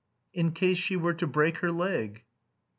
"'In case she were to break her leg.'"